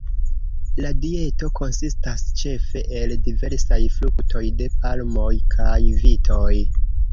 La dieto konsistas ĉefe el diversaj fruktoj, de palmoj kaj vitoj.